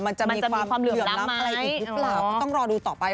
มันจะมีความเหลื่อมล้ำอะไรอีกหรือเปล่าก็ต้องรอดูต่อไป